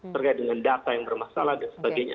terkait dengan data yang bermasalah dan sebagainya